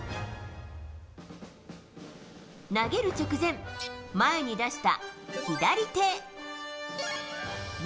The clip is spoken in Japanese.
Ａ、投げる直前、前に出した左手。